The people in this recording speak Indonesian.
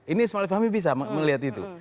ini ismail fahmi bisa melihat itu